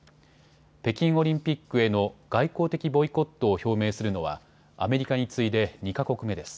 北京オリンピックへの外交的ボイコットを表明するのはアメリカに次いで２か国目です。